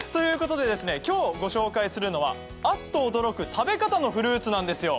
今日ご紹介するのは、あっと驚く食べ方のフルーツなんですよ。